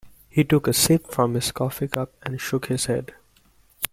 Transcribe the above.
He took a sip from his coffee cup and shook his head.